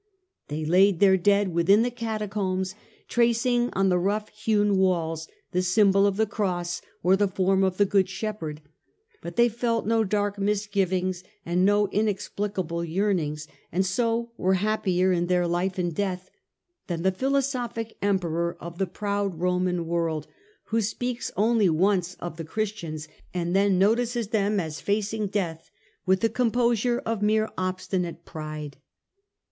They laid their dead within the Catacombs, tracing on the rough hewn walls the symbol of the Cross or the form of the Good Shepherd ; but they felt no dark misgivings and no inexplicable yearnings, and so were happier in their life and death than the philosophic Emperor of the proud Roman world, who speaks once only of the Christians, and then notices them as facing death with the composure of mere ob stinate pride.